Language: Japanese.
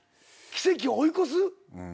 奇跡を追い越す？